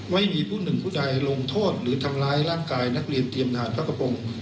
ไม่มีผู้หนึ่งผู้ใดลงโทษหรือทำร้ายร่างกายนักเรียนเตรียมงานพระกระพงศ์